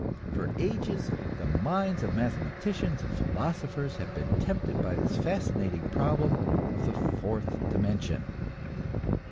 For ages the minds of mathematicians and philosophers have been tempted by this fascinating problem of the "fourth dimension."